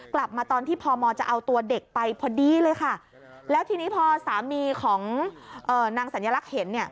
กลับมาตอนที่พมจะเอาตัวเด็กไปพอดีเลยค่ะแล้วทีนี้พอสามีของนางสัญลักษณ์เห็นเนี่ย